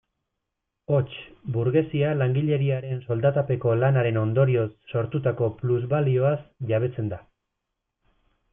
Hots, burgesia langileriaren soldatapeko lanaren ondorioz sortutako plus-balioaz jabetzen da.